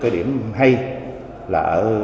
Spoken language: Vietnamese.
cái điểm hay là ở